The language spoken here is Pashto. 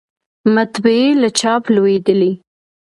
مطبعې له چاپ لویدلې